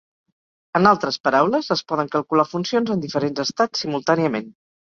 En altres paraules, es poden calcular funcions en diferents estats simultàniament.